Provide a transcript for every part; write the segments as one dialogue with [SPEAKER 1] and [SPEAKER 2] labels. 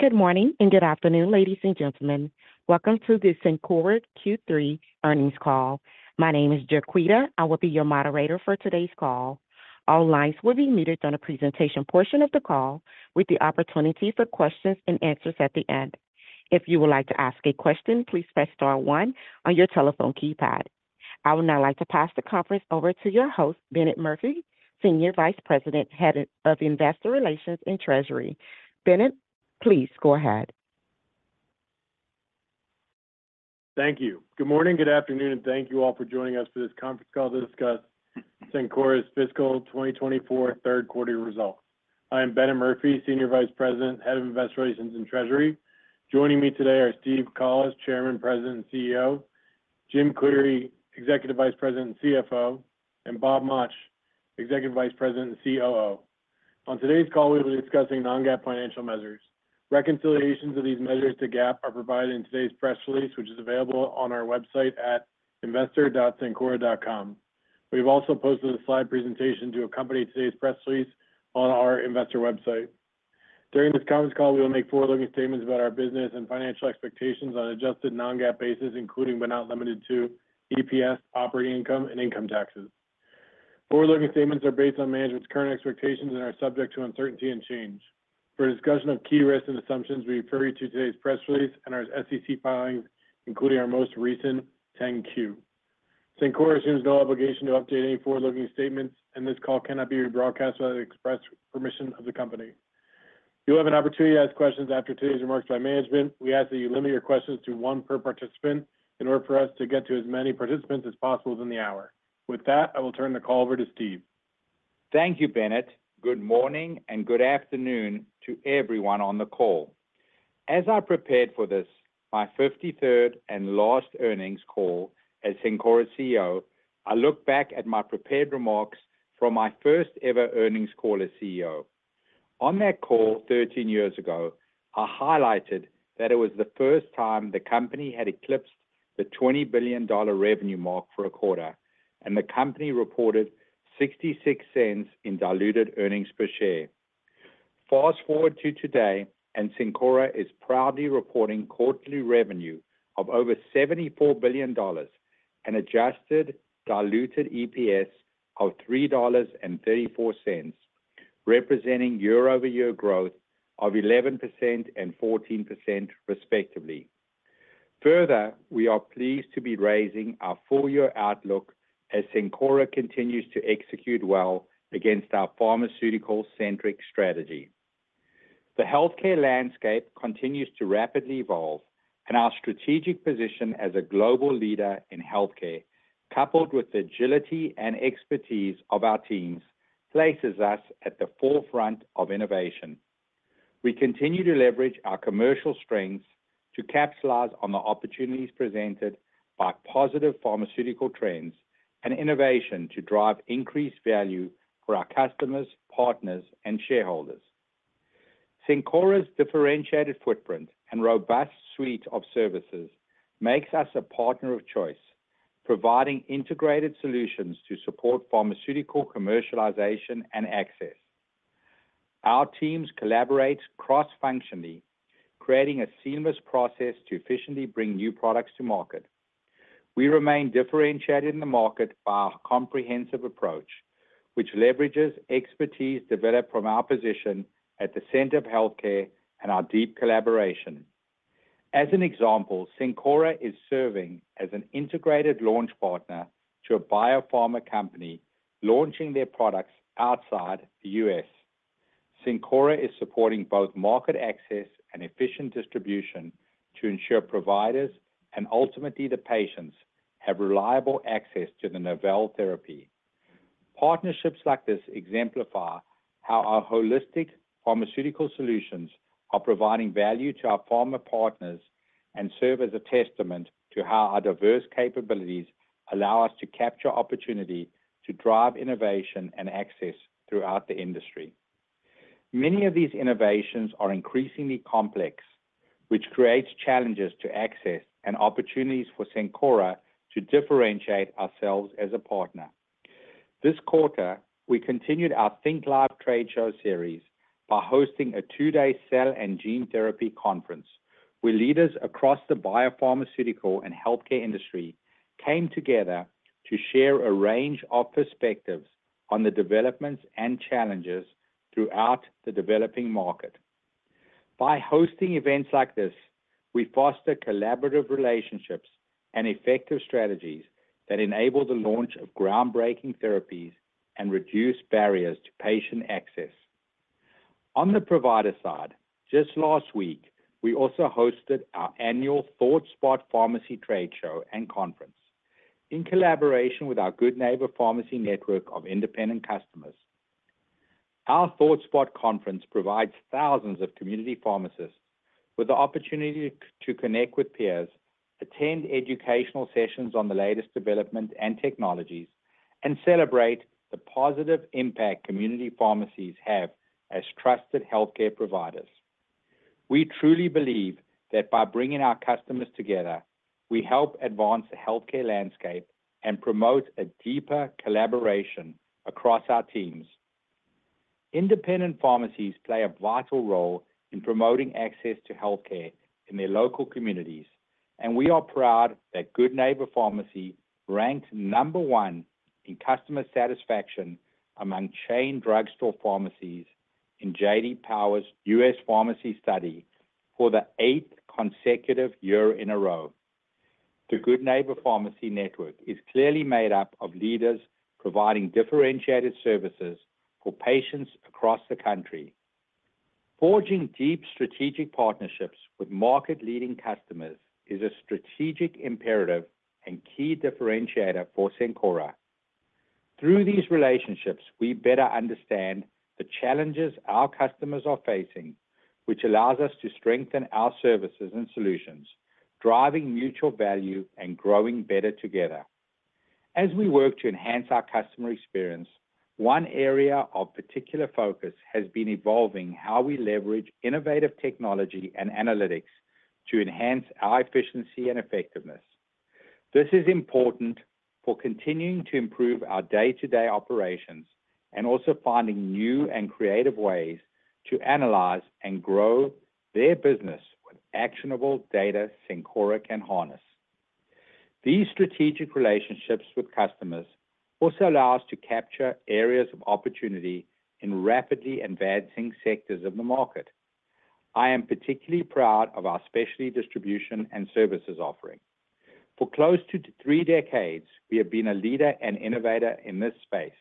[SPEAKER 1] Good morning, and good afternoon, ladies and gentlemen. Welcome to the Cencora Q3 earnings call. My name is Jaquita. I will be your moderator for today's call. All lines will be muted on the presentation portion of the call, with the opportunity for questions and answers at the end. If you would like to ask a question, please press star one on your telephone keypad. I would now like to pass the conference over to your host, Bennett Murphy, Senior Vice President, Head of Investor Relations and Treasury. Bennett, please go ahead.
[SPEAKER 2] Thank you. Good morning, good afternoon, and thank you all for joining us for this conference call to discuss Cencora's fiscal 2024 third quarter results. I am Bennett Murphy, Senior Vice President, Head of Investor Relations and Treasury. Joining me today are Steve Collis, Chairman, President, and CEO; Jim Cleary, Executive Vice President and CFO; and Bob Mauch, Executive Vice President and COO. On today's call, we will be discussing non-GAAP financial measures. Reconciliations of these measures to GAAP are provided in today's press release, which is available on our website at investor.cencora.com. We've also posted a slide presentation to accompany today's press release on our investor website. During this conference call, we will make forward-looking statements about our business and financial expectations on an adjusted non-GAAP basis, including but not limited to EPS, operating income, and income taxes. Forward-looking statements are based on management's current expectations and are subject to uncertainty and change. For a discussion of key risks and assumptions, we refer you to today's press release and our SEC filings, including our most recent 10-Q. Cencora assumes no obligation to update any forward-looking statements, and this call cannot be rebroadcast without the express permission of the company. You'll have an opportunity to ask questions after today's remarks by management. We ask that you limit your questions to one per participant in order for us to get to as many participants as possible within the hour. With that, I will turn the call over to Steve.
[SPEAKER 3] Thank you, Bennett. Good morning, and good afternoon to everyone on the call. As I prepared for this, my 53rd and last earnings call as Cencora's CEO, I looked back at my prepared remarks from my first ever earnings call as CEO. On that call, 13 years ago, I highlighted that it was the first time the company had eclipsed the $20 billion revenue mark for a quarter, and the company reported $0.66 in diluted earnings per share. Fast-forward to today, and Cencora is proudly reporting quarterly revenue of over $74 billion and adjusted diluted EPS of $3.34, representing year-over-year growth of 11% and 14%, respectively. Further, we are pleased to be raising our full-year outlook as Cencora continues to execute well against our pharmaceutical-centric strategy. The healthcare landscape continues to rapidly evolve, and our strategic position as a global leader in healthcare, coupled with the agility and expertise of our teams, places us at the forefront of innovation. We continue to leverage our commercial strengths to capitalize on the opportunities presented by positive pharmaceutical trends and innovation to drive increased value for our customers, partners, and shareholders. Cencora's differentiated footprint and robust suite of services makes us a partner of choice, providing integrated solutions to support pharmaceutical commercialization and access. Our teams collaborate cross-functionally, creating a seamless process to efficiently bring new products to market. We remain differentiated in the market by our comprehensive approach, which leverages expertise developed from our position at the center of healthcare and our deep collaboration. As an example, Cencora is serving as an integrated launch partner to a biopharma company launching their products outside the U.S. Cencora is supporting both market access and efficient distribution to ensure providers, and ultimately the patients, have reliable access to the novel therapy. Partnerships like this exemplify how our holistic pharmaceutical solutions are providing value to our pharma partners and serve as a testament to how our diverse capabilities allow us to capture opportunity to drive innovation and access throughout the industry. Many of these innovations are increasingly complex, which creates challenges to access and opportunities for Cencora to differentiate ourselves as a partner. This quarter, we continued our ThinkLive trade show series by hosting a two-day cell and gene therapy conference, where leaders across the biopharmaceutical and healthcare industry came together to share a range of perspectives on the developments and challenges throughout the developing market. By hosting events like this, we foster collaborative relationships and effective strategies that enable the launch of groundbreaking therapies and reduce barriers to patient access. On the provider side, just last week, we also hosted our annual ThoughtSpot Pharmacy trade show and conference in collaboration with our Good Neighbor Pharmacy network of independent customers. Our ThoughtSpot Conference provides thousands of community pharmacists with the opportunity to connect with peers, attend educational sessions on the latest development and technologies, and celebrate the positive impact community pharmacies have as trusted healthcare providers. We truly believe that by bringing our customers together. We help advance the healthcare landscape and promote a deeper collaboration across our teams. Independent pharmacies play a vital role in promoting access to healthcare in their local communities, and we are proud that Good Neighbor Pharmacy ranked number one in customer satisfaction among chain drugstore pharmacies in J.D. Power. Power's US Pharmacy Study for the eighth consecutive year in a row. The Good Neighbor Pharmacy network is clearly made up of leaders providing differentiated services for patients across the country. Forging deep strategic partnerships with market-leading customers is a strategic imperative and key differentiator for Cencora. Through these relationships, we better understand the challenges our customers are facing, which allows us to strengthen our services and solutions, driving mutual value and growing better together. As we work to enhance our customer experience, one area of particular focus has been evolving how we leverage innovative technology and analytics to enhance our efficiency and effectiveness. This is important for continuing to improve our day-to-day operations, and also finding new and creative ways to analyze and grow their business with actionable data Cencora can harness. These strategic relationships with customers also allow us to capture areas of opportunity in rapidly advancing sectors of the market. I am particularly proud of our specialty distribution and services offering. For close to three decades, we have been a leader and innovator in this space.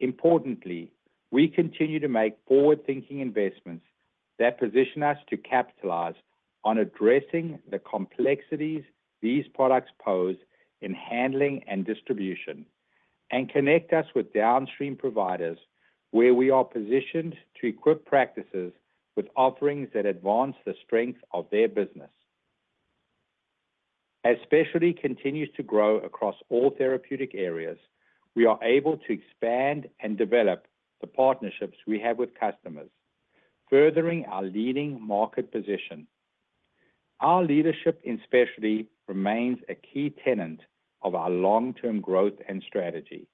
[SPEAKER 3] Importantly, we continue to make forward-thinking investments that position us to capitalize on addressing the complexities these products pose in handling and distribution, and connect us with downstream providers, where we are positioned to equip practices with offerings that advance the strength of their business. As specialty continues to grow across all therapeutic areas, we are able to expand and develop the partnerships we have with customers, furthering our leading market position. Our leadership in specialty remains a key tenet of our long-term growth and strategy.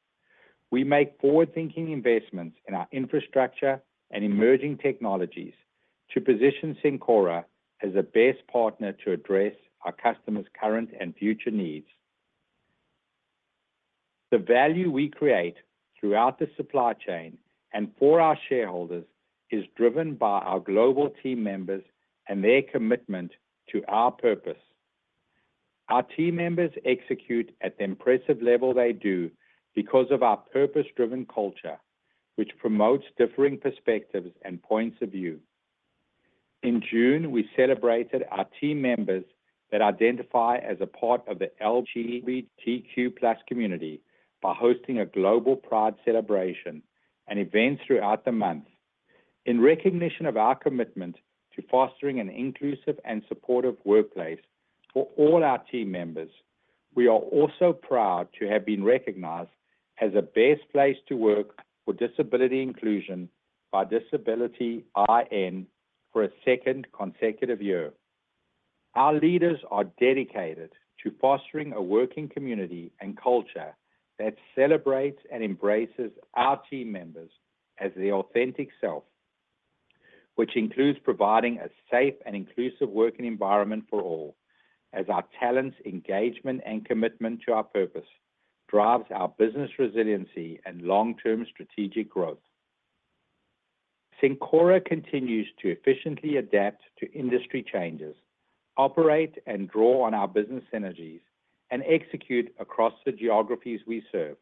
[SPEAKER 3] We make forward-thinking investments in our infrastructure and emerging technologies to position Cencora as the best partner to address our customers' current and future needs. The value we create throughout the supply chain and for our shareholders is driven by our global team members and their commitment to our purpose. Our team members execute at the impressive level they do because of our purpose-driven culture, which promotes differing perspectives and points of view. In June, we celebrated our team members that identify as a part of the LGBTQ+ community by hosting a global pride celebration and events throughout the month. In recognition of our commitment to fostering an inclusive and supportive workplace for all our team members, we are also proud to have been recognized as a best place to work for disability inclusion by Disability:IN for a second consecutive year. Our leaders are dedicated to fostering a working community and culture that celebrates and embraces our team members as their authentic self, which includes providing a safe and inclusive working environment for all, as our talents, engagement, and commitment to our purpose drives our business resiliency and long-term strategic growth. Cencora continues to efficiently adapt to industry changes, operate and draw on our business synergies, and execute across the geographies we serve,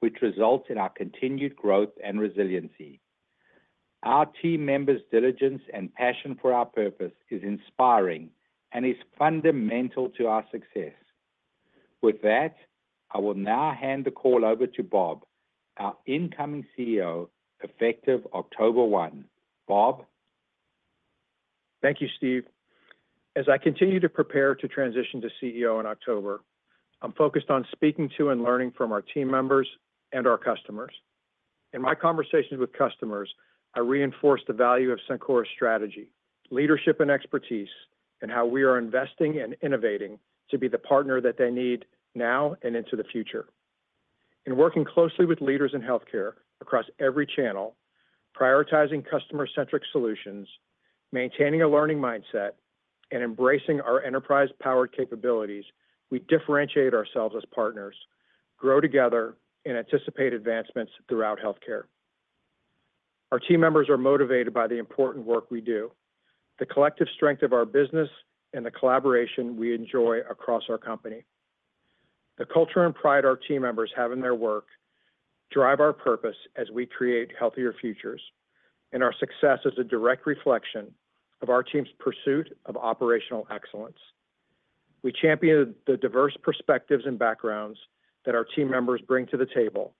[SPEAKER 3] which results in our continued growth and resiliency. Our team members' diligence and passion for our purpose is inspiring and is fundamental to our success. With that, I will now hand the call over to Bob, our incoming CEO, effective October 1. Bob?
[SPEAKER 4] Thank you, Steve. As I continue to prepare to transition to CEO in October, I'm focused on speaking to and learning from our team members and our customers. In my conversations with customers, I reinforce the value of Cencora's strategy, leadership, and expertise, and how we are investing and innovating to be the partner that they need now and into the future. In working closely with leaders in healthcare across every channel, prioritizing customer-centric solutions, maintaining a learning mindset, and embracing our enterprise power capabilities, we differentiate ourselves as partners, grow together, and anticipate advancements throughout healthcare. Our team members are motivated by the important work we do, the collective strength of our business, and the collaboration we enjoy across our company. The culture and pride our team members have in their work drive our purpose as we create healthier futures, and our success is a direct reflection of our team's pursuit of operational excellence. We champion the diverse perspectives and backgrounds that our team members bring to the table,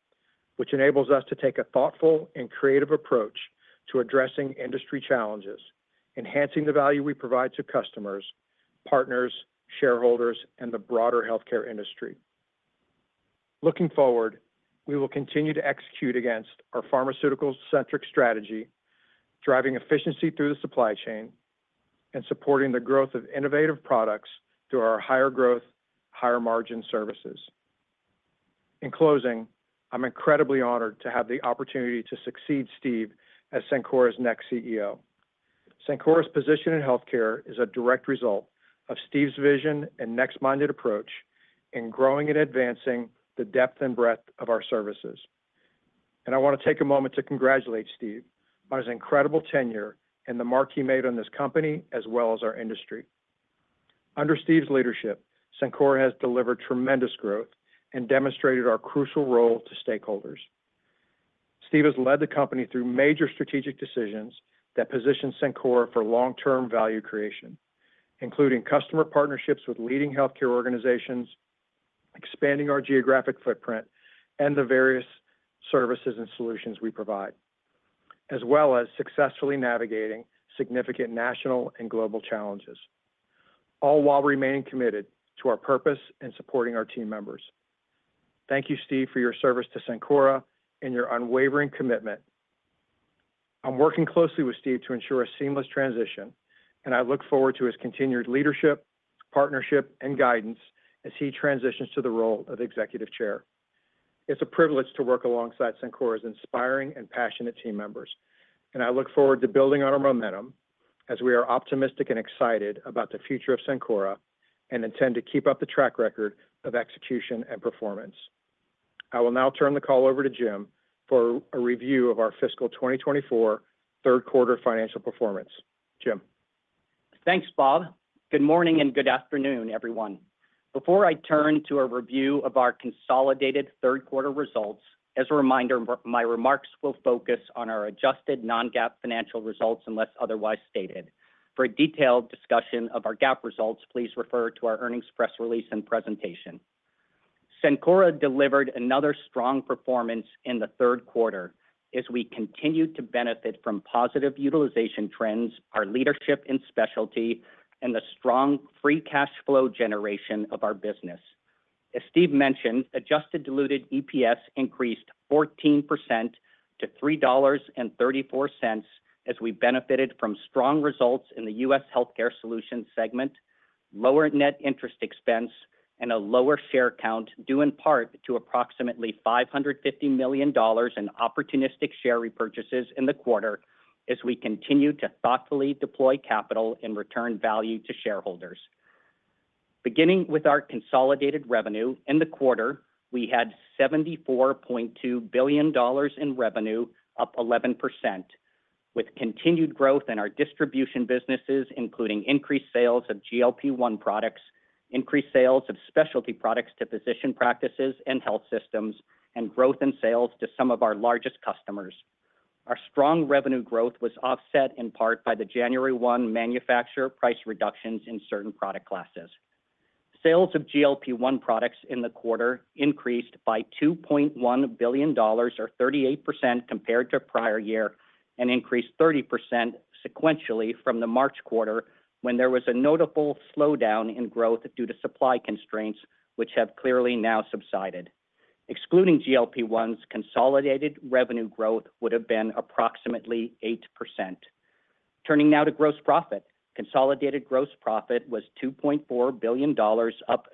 [SPEAKER 4] which enables us to take a thoughtful and creative approach to addressing industry challenges, enhancing the value we provide to customers, partners, shareholders, and the broader healthcare industry. Looking forward, we will continue to execute against our pharmaceutical centric strategy, driving efficiency through the supply chain and supporting the growth of innovative products through our higher growth, higher margin services. In closing, I'm incredibly honored to have the opportunity to succeed Steve as Cencora's next CEO. Cencora's position in healthcare is a direct result of Steve's vision and next-minded approach in growing and advancing the depth and breadth of our services. And I want to take a moment to congratulate Steve on his incredible tenure and the mark he made on this company, as well as our industry. Under Steve's leadership, Cencora has delivered tremendous growth and demonstrated our crucial role to stakeholders. Steve has led the company through major strategic decisions that position Cencora for long-term value creation, including customer partnerships with leading healthcare organizations, expanding our geographic footprint and the various services and solutions we provide, as well as successfully navigating significant national and global challenges, all while remaining committed to our purpose and supporting our team members. Thank you, Steve, for your service to Cencora and your unwavering commitment. I'm working closely with Steve to ensure a seamless transition, and I look forward to his continued leadership, partnership, and guidance as he transitions to the role of Executive Chair. It's a privilege to work alongside Cencora's inspiring and passionate team members, and I look forward to building on our momentum as we are optimistic and excited about the future of Cencora and intend to keep up the track record of execution and performance. I will now turn the call over to Jim for a review of our fiscal 2024 third quarter financial performance. Jim?
[SPEAKER 5] Thanks, Bob. Good morning and good afternoon, everyone. Before I turn to a review of our consolidated third quarter results, as a reminder, my remarks will focus on our adjusted non-GAAP financial results, unless otherwise stated. For a detailed discussion of our GAAP results, please refer to our earnings press release and presentation. Cencora delivered another strong performance in the third quarter as we continued to benefit from positive utilization trends, our leadership in specialty, and the strong free cash flow generation of our business. As Steve mentioned, adjusted diluted EPS increased 14% to $3.34, as we benefited from strong results in the US Healthcare Solutions segment, lower net interest expense, and a lower share count, due in part to approximately $550 million in opportunistic share repurchases in the quarter, as we continue to thoughtfully deploy capital and return value to shareholders. Beginning with our consolidated revenue, in the quarter, we had $74.2 billion in revenue, up 11%, with continued growth in our distribution businesses, including increased sales of GLP-1 products, increased sales of specialty products to physician practices and health systems, and growth in sales to some of our largest customers. Our strong revenue growth was offset in part by the January 1 manufacturer price reductions in certain product classes. Sales of GLP-1 products in the quarter increased by $2.1 billion, or 38% compared to prior year, and increased 30% sequentially from the March quarter, when there was a notable slowdown in growth due to supply constraints, which have clearly now subsided. Excluding GLP-1's, consolidated revenue growth would have been approximately 8%. Turning now to gross profit. Consolidated gross profit was $2.4 billion, up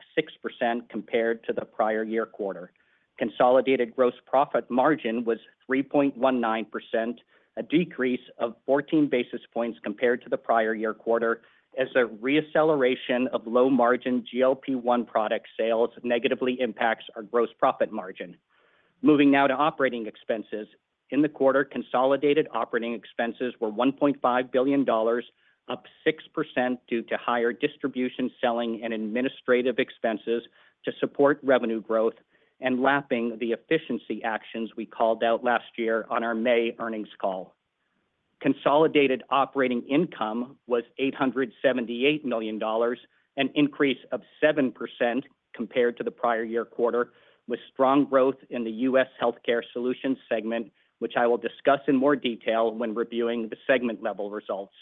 [SPEAKER 5] 6% compared to the prior year quarter. Consolidated gross profit margin was 3.19%, a decrease of 14 basis points compared to the prior year quarter, as a re-acceleration of low margin GLP-1 product sales negatively impacts our gross profit margin. Moving now to operating expenses. In the quarter, consolidated operating expenses were $1.5 billion, up 6% due to higher distribution, selling and administrative expenses to support revenue growth and lapping the efficiency actions we called out last year on our May earnings call. Consolidated operating income was $878 million, an increase of 7% compared to the prior year quarter, with strong growth in the US Healthcare Solutions segment, which I will discuss in more detail when reviewing the segment level results.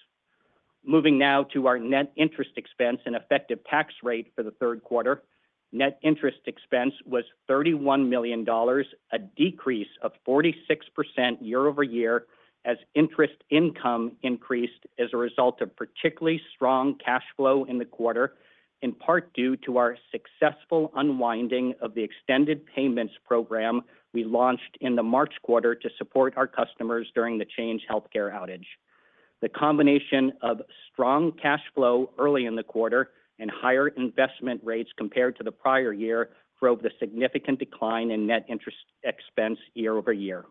[SPEAKER 5] Moving now to our net interest expense and effective tax rate for the third quarter. Net interest expense was $31 million, a decrease of 46% year-over-year, as interest income increased as a result of particularly strong cash flow in the quarter, in part due to our successful unwinding of the extended payments program we launched in the March quarter to support our customers during the Change Healthcare outage. The combination of strong cash flow early in the quarter and higher investment rates compared to the prior year drove the significant decline in net interest expense year-over-year.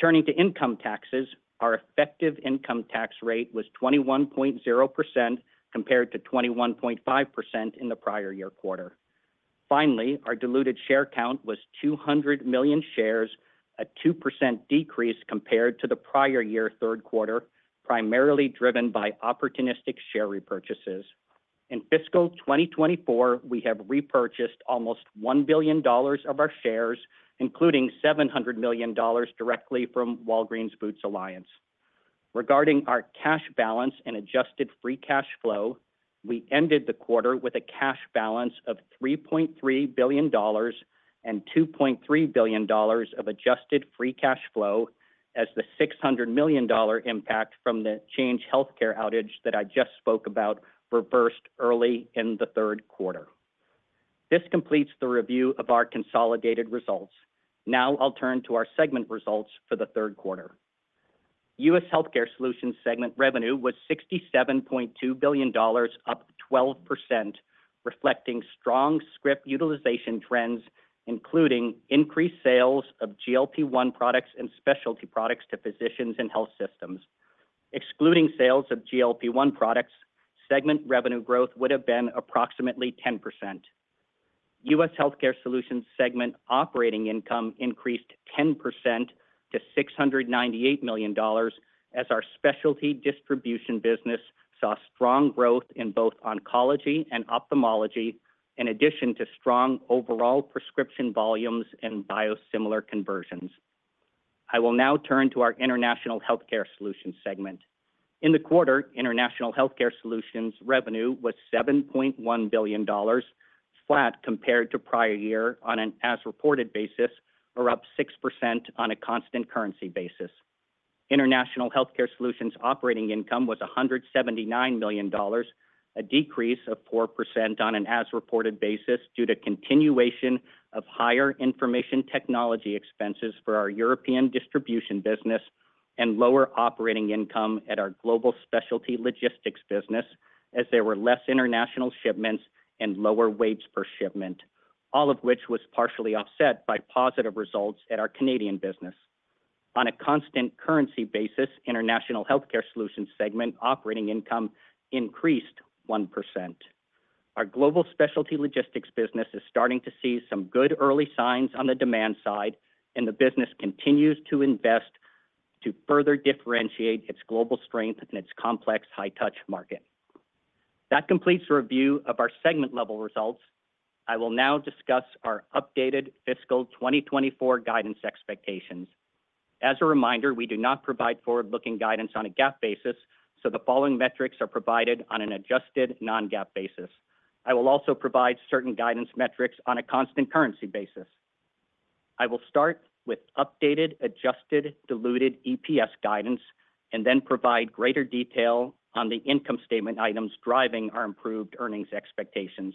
[SPEAKER 5] Turning to income taxes, our effective income tax rate was 21.0%, compared to 21.5% in the prior-year quarter. Finally, our diluted share count was 200 million shares, a 2% decrease compared to the prior-year third quarter, primarily driven by opportunistic share repurchases. In fiscal 2024, we have repurchased almost $1 billion of our shares, including $700 million directly from Walgreens Boots Alliance. Regarding our cash balance and adjusted free cash flow, we ended the quarter with a cash balance of $3.3 billion and $2.3 billion of adjusted free cash flow, as the $600 million impact from the Change Healthcare outage that I just spoke about reversed early in the third quarter. This completes the review of our consolidated results. Now I'll turn to our segment results for the third quarter. US Healthcare Solutions segment revenue was $67.2 billion, up 12%, reflecting strong script utilization trends, including increased sales of GLP-1 products and specialty products to physicians and health systems. Excluding sales of GLP-1 products, segment revenue growth would have been approximately 10%. US Healthcare Solutions segment operating income increased 10% to $698 million, as our specialty distribution business saw strong growth in both oncology and ophthalmology, in addition to strong overall prescription volumes and biosimilar conversions. I will now turn to our International Healthcare Solutions segment. In the quarter, International Healthcare Solutions revenue was $7.1 billion, flat compared to prior year on an as-reported basis, or up 6% on a constant currency basis. International Healthcare Solutions operating income was $179 million, a decrease of 4% on an as-reported basis due to continuation of higher information technology expenses for our European distribution business and lower operating income at our global specialty logistics business, as there were less international shipments and lower weights per shipment, all of which was partially offset by positive results at our Canadian business. On a constant currency basis, International Healthcare Solutions segment operating income increased 1%. Our global specialty logistics business is starting to see some good early signs on the demand side, and the business continues to invest to further differentiate its global strength in its complex, high touch market. That completes the review of our segment level results. I will now discuss our updated fiscal 2024 guidance expectations. As a reminder, we do not provide forward-looking guidance on a GAAP basis, so the following metrics are provided on an adjusted non-GAAP basis. I will also provide certain guidance metrics on a constant currency basis. I will start with updated, adjusted, diluted EPS guidance and then provide greater detail on the income statement items driving our improved earnings expectations.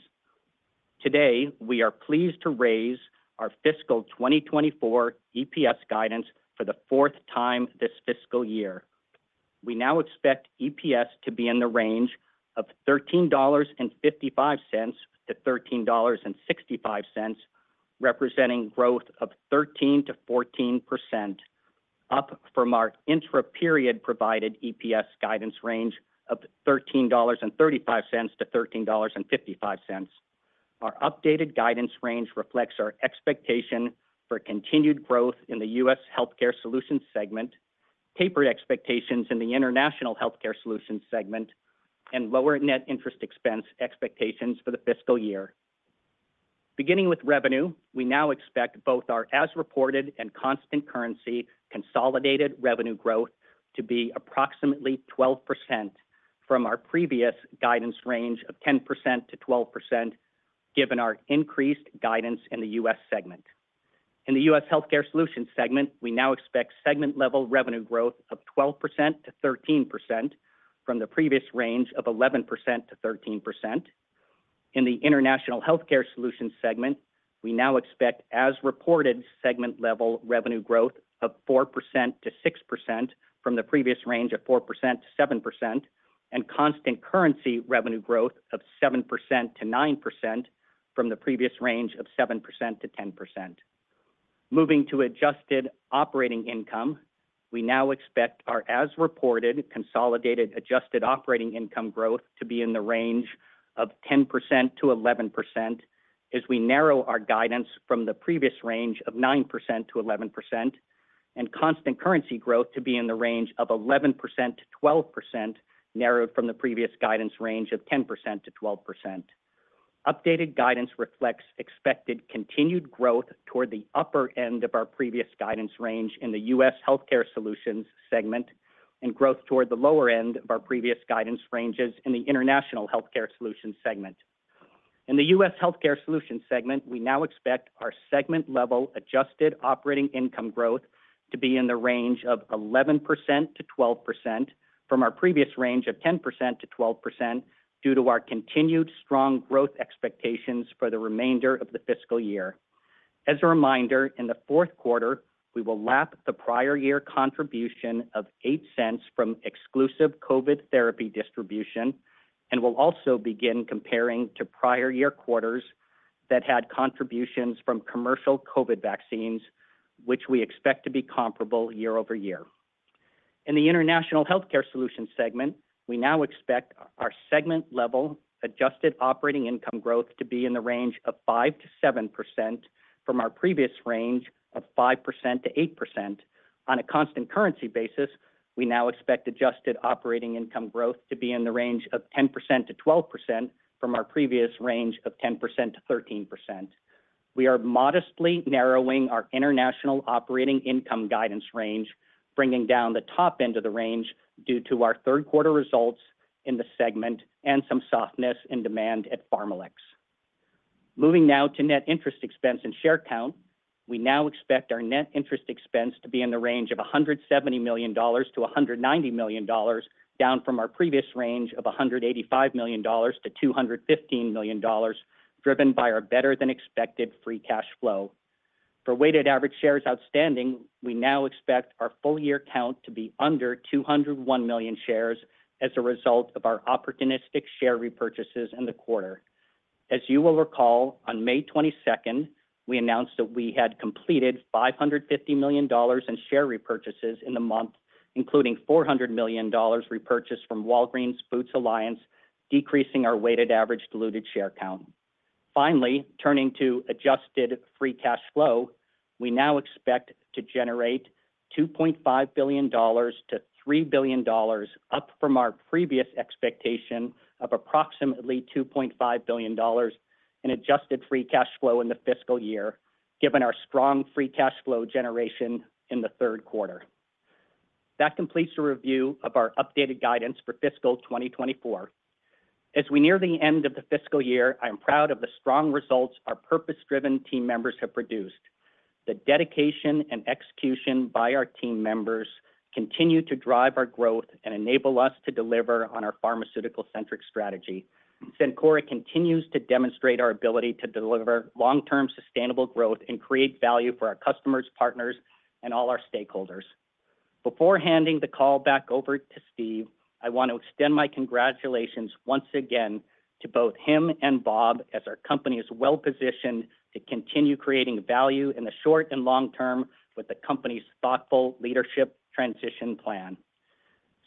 [SPEAKER 5] Today, we are pleased to raise our fiscal 2024 EPS guidance for the fourth time this fiscal year. We now expect EPS to be in the range of $13.55-$13.65, representing growth of 13%-14%, up from our intraperiod provided EPS guidance range of $13.35-$13.55. Our updated guidance range reflects our expectation for continued growth in the US Healthcare Solutions segment, tapered expectations in the International Healthcare Solutions segment, and lower net interest expense expectations for the fiscal year. Beginning with revenue, we now expect both our as-reported and constant currency consolidated revenue growth to be approximately 12% from our previous guidance range of 10%-12%, given our increased guidance in the US segment. In the US Healthcare Solutions segment, we now expect segment level revenue growth of 12%-13% from the previous range of 11%-13%. In the International Healthcare Solutions segment, we now expect as-reported segment level revenue growth of 4%-6% from the previous range of 4%-7%, and constant currency revenue growth of 7%-9% from the previous range of 7%-10%. Moving to adjusted operating income, we now expect our as-reported consolidated adjusted operating income growth to be in the range of 10%-11%, as we narrow our guidance from the previous range of 9%-11%, and constant currency growth to be in the range of 11%-12%, narrowed from the previous guidance range of 10%-12%. Updated guidance reflects expected continued growth toward the upper end of our previous guidance range in the US Healthcare Solutions segment, and growth toward the lower end of our previous guidance ranges in the International Healthcare Solutions segment. In the US Healthcare Solutions segment, we now expect our segment level adjusted operating income growth to be in the range of 11%-12% from our previous range of 10%-12%, due to our continued strong growth expectations for the remainder of the fiscal year. As a reminder, in the fourth quarter, we will lap the prior year contribution of $0.08 from exclusive COVID therapy distribution and will also begin comparing to prior year quarters that had contributions from commercial COVID vaccines, which we expect to be comparable year-over-year. In the International Healthcare Solutions segment, we now expect our segment level adjusted operating income growth to be in the range of 5%-7% from our previous range of 5%-8%. On a constant currency basis, we now expect adjusted operating income growth to be in the range of 10%-12% from our previous range of 10%-13%. We are modestly narrowing our international operating income guidance range, bringing down the top end of the range due to our third quarter results in the segment and some softness in demand at PharmaLex. Moving now to net interest expense and share count. We now expect our net interest expense to be in the range of $170 million-$190 million, down from our previous range of $185 million-$215 million, driven by our better-than-expected free cash flow. For weighted average shares outstanding, we now expect our full-year count to be under 201 million shares as a result of our opportunistic share repurchases in the quarter. As you will recall, on May 22, we announced that we had completed $550 million in share repurchases in the month, including $400 million repurchased from Walgreens Boots Alliance, decreasing our weighted average diluted share count. Finally, turning to adjusted free cash flow, we now expect to generate $2.5 billion-$3 billion, up from our previous expectation of approximately $2.5 billion in adjusted free cash flow in the fiscal year, given our strong free cash flow generation in the third quarter. That completes the review of our updated guidance for fiscal 2024. As we near the end of the fiscal year, I am proud of the strong results our purpose-driven team members have produced. The dedication and execution by our team members continue to drive our growth and enable us to deliver on our pharmaceutical-centric strategy. Cencora continues to demonstrate our ability to deliver long-term sustainable growth and create value for our customers, partners, and all our stakeholders. Before handing the call back over to Steve, I want to extend my congratulations once again to both him and Bob, as our company is well-positioned to continue creating value in the short and long term with the company's thoughtful leadership transition plan.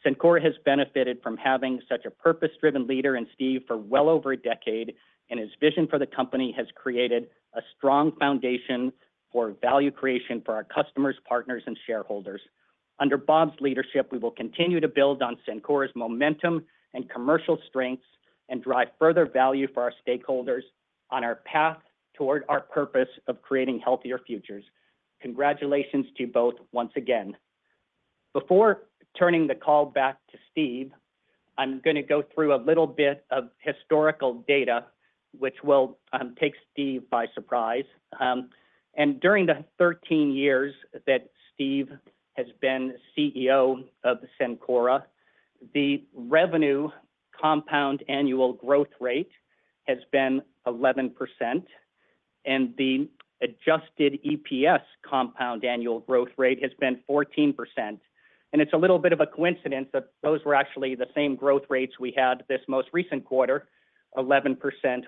[SPEAKER 5] Cencora has benefited from having such a purpose-driven leader in Steve for well over a decade, and his vision for the company has created a strong foundation for value creation for our customers, partners, and shareholders. Under Bob's leadership, we will continue to build on Cencora's momentum and commercial strengths and drive further value for our stakeholders on our path toward our purpose of creating healthier futures. Congratulations to you both once again. Before turning the call back to Steve, I'm gonna go through a little bit of historical data, which will take Steve by surprise. And during the 13 years that Steve has been CEO of Cencora, the revenue compound annual growth rate has been 11%, and the adjusted EPS compound annual growth rate has been 14%. And it's a little bit of a coincidence that those were actually the same growth rates we had this most recent quarter, 11%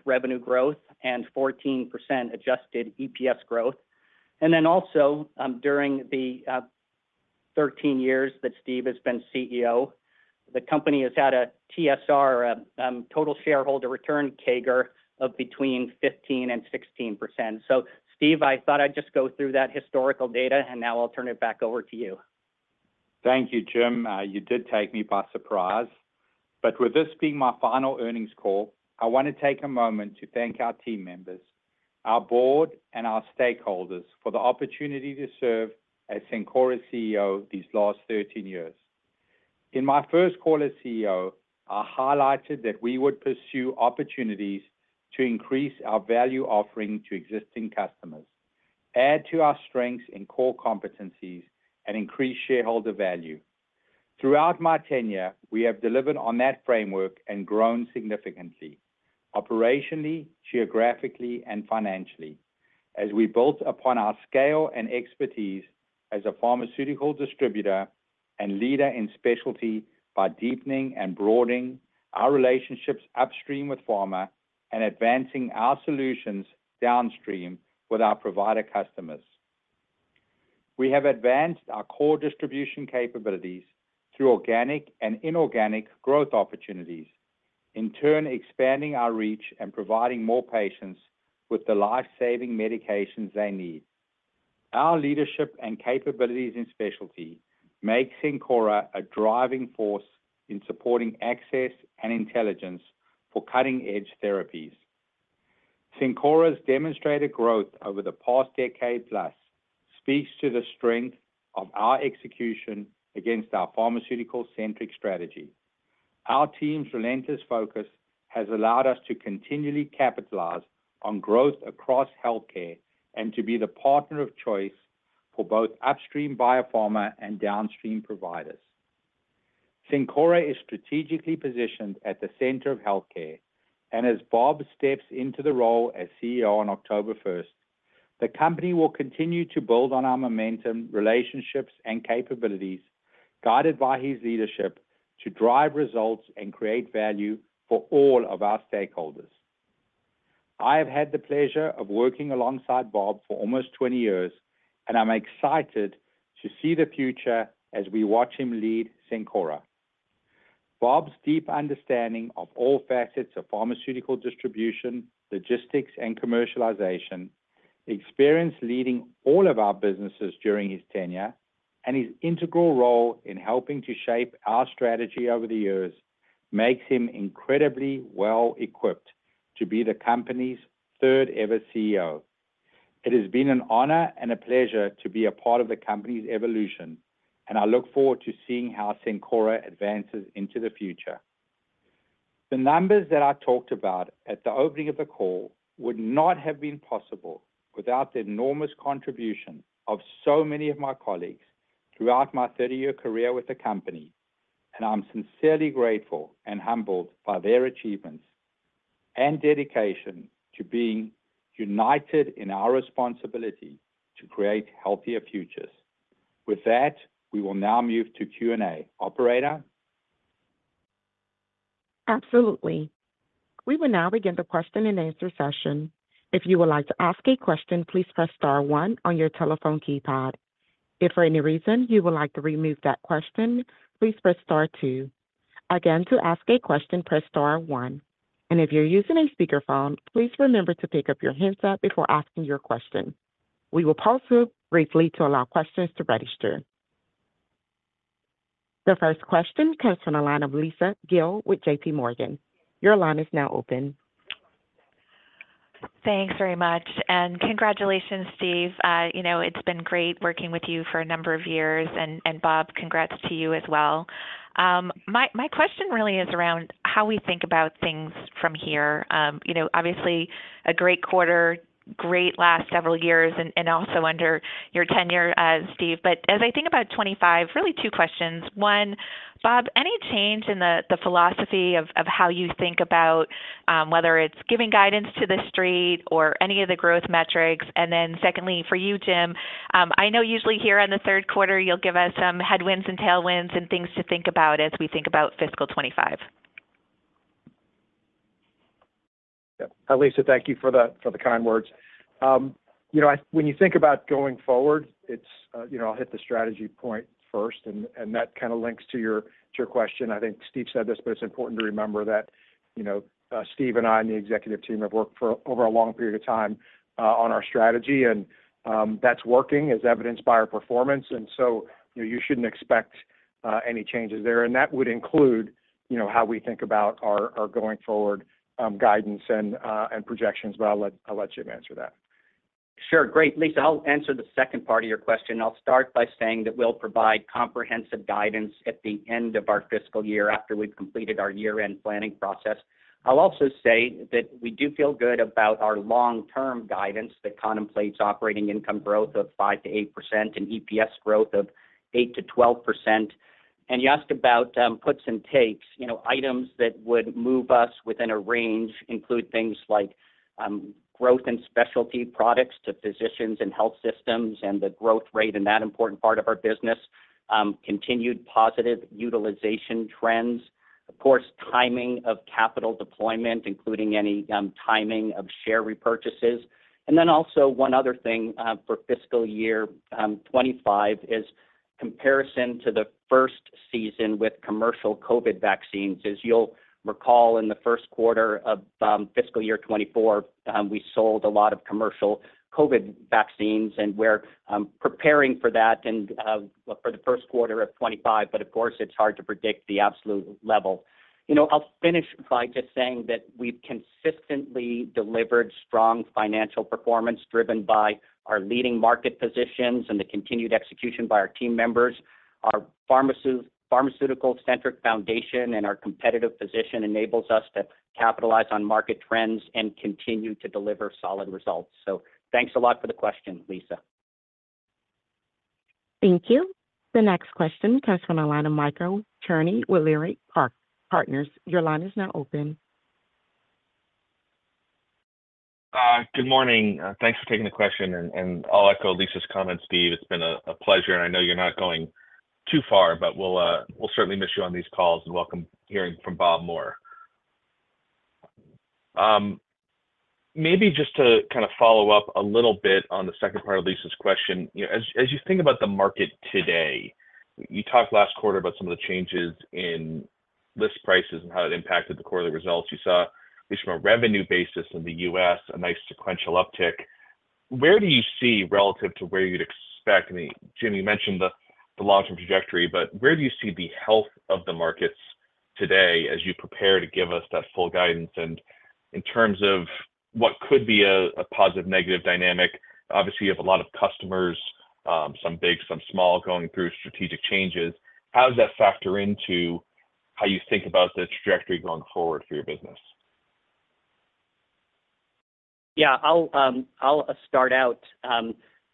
[SPEAKER 5] revenue growth and 14% adjusted EPS growth. And then also, during the 13 years that Steve has been CEO, the company has had a TSR, total shareholder return CAGR of between 15% and 16%. So Steve, I thought I'd just go through that historical data, and now I'll turn it back over to you.
[SPEAKER 3] Thank you, Jim. You did take me by surprise, but with this being my final earnings call, I wanna take a moment to thank our team members, our board, and our stakeholders for the opportunity to serve as Cencora CEO these last 13 years. In my first call as CEO, I highlighted that we would pursue opportunities to increase our value offering to existing customers, add to our strengths and core competencies, and increase shareholder value. Throughout my tenure, we have delivered on that framework and grown significantly operationally, geographically, and financially. As we built upon our scale and expertise as a pharmaceutical distributor and leader in specialty by deepening and broadening our relationships upstream with pharma and advancing our solutions downstream with our provider customers. We have advanced our core distribution capabilities through organic and inorganic growth opportunities, in turn, expanding our reach and providing more patients with the life-saving medications they need. Our leadership and capabilities in specialty make Cencora a driving force in supporting access and intelligence for cutting-edge therapies. Cencora's demonstrated growth over the past decade plus speaks to the strength of our execution against our pharmaceutical-centric strategy. Our team's relentless focus has allowed us to continually capitalize on growth across healthcare and to be the partner of choice for both upstream biopharma and downstream providers. Cencora is strategically positioned at the center of healthcare, and as Bob steps into the role as CEO on October first, the company will continue to build on our momentum, relationships, and capabilities, guided by his leadership to drive results and create value for all of our stakeholders. I have had the pleasure of working alongside Bob for almost 20 years, and I'm excited to see the future as we watch him lead Cencora. Bob's deep understanding of all facets of pharmaceutical distribution, logistics, and commercialization, experience leading all of our businesses during his tenure, and his integral role in helping to shape our strategy over the years makes him incredibly well-equipped to be the company's third-ever CEO. It has been an honor and a pleasure to be a part of the company's evolution, and I look forward to seeing how Cencora advances into the future. The numbers that I talked about at the opening of the call would not have been possible without the enormous contribution of so many of my colleagues throughout my 30-year career with the company, and I'm sincerely grateful and humbled by their achievements and dedication to being united in our responsibility to create healthier futures. With that, we will now move to Q&A. Operator?
[SPEAKER 1] Absolutely. We will now begin the question-and-answer session. If you would like to ask a question, please press star one on your telephone keypad. If for any reason you would like to remove that question, please press star two. Again, to ask a question, press star one, and if you're using a speakerphone, please remember to pick up your handset before asking your question. We will pause briefly to allow questions to register. The first question comes from the line of Lisa Gill with JPMorgan. Your line is now open.
[SPEAKER 6] Thanks very much, and congratulations, Steve. You know, it's been great working with you for a number of years, and Bob, congrats to you as well. My question really is around how we think about things from here. You know, obviously, a great quarter, great last several years and also under your tenure as Steve. But as I think about 2025, really two questions: One, Bob, any change in the philosophy of how you think about whether it's giving guidance to the street or any of the growth metrics? And then secondly, for you, Jim, I know usually here on the third quarter, you'll give us some headwinds and tailwinds and things to think about as we think about fiscal 2025.
[SPEAKER 4] Lisa, thank you for the kind words. You know, when you think about going forward, it's, you know, I'll hit the strategy point first, and that kinda links to your question. I think Steve said this, but it's important to remember that, you know, Steve and I and the executive team have worked for over a long period of time on our strategy, and that's working as evidenced by our performance. So you shouldn't expect any changes there. And that would include, you know, how we think about our going forward guidance and projections. But I'll let Jim answer that.
[SPEAKER 5] Sure. Great! Lisa, I'll answer the second part of your question. I'll start by saying that we'll provide comprehensive guidance at the end of our fiscal year after we've completed our year-end planning process. I'll also say that we do feel good about our long-term guidance that contemplates operating income growth of 5%-8% and EPS growth of 8%-12%. And you asked about, puts and takes. You know, items that would move us within a range include things like, growth in specialty products to physicians and health systems and the growth rate in that important part of our business. Continued positive utilization trends, of course, timing of capital deployment, including any, timing of share repurchases. And then also one other thing, for fiscal year 2025, is comparison to the first season with commercial COVID vaccines. As you'll recall, in the first quarter of fiscal year 2024, we sold a lot of commercial COVID vaccines, and we're preparing for that and for the first quarter of 2025. But of course, it's hard to predict the absolute level. You know, I'll finish by just saying that we've consistently delivered strong financial performance, driven by our leading market positions and the continued execution by our team members. Our pharmaceutical-centric foundation and our competitive position enables us to capitalize on market trends and continue to deliver solid results. So thanks a lot for the question, Lisa.
[SPEAKER 1] Thank you. The next question comes from the line of Michael Cherney with Leerink Partners. Your line is now open.
[SPEAKER 7] Good morning. Thanks for taking the question, and I'll echo Lisa's comments, Steve. It's been a pleasure, and I know you're not going too far, but we'll certainly miss you on these calls and welcome hearing from Bob more. Maybe just to kind of follow up a little bit on the second part of Lisa's question. You know, as you think about the market today, you talked last quarter about some of the changes in list prices and how it impacted the quarterly results. You saw, at least from a revenue basis in the U.S., a nice sequential uptick. Where do you see relative to where you'd expect. I mean, Jim, you mentioned the long-term trajectory, but where do you see the health of the markets today as you prepare to give us that full guidance? In terms of what could be a positive, negative dynamic, obviously, you have a lot of customers, some big, some small, going through strategic changes. How does that factor into how you think about the trajectory going forward for your business?
[SPEAKER 5] Yeah, I'll start out